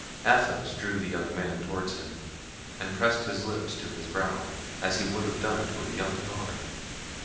Athos drew the young man toward him and pressed his lips to his brow, as he would have done to a young daughter.